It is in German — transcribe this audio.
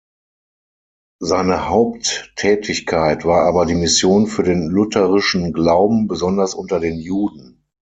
Seine Haupttätigkeit war aber die Mission für den lutherischen Glauben besonders unter den Juden.